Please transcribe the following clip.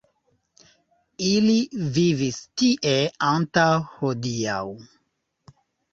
Ili vivis tie antaŭ hodiaŭ.